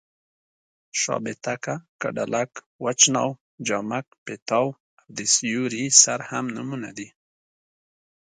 شابېتکه، کډلک، وچ ناو، جامک پېتاو او د سیوري سر هم نومونه دي.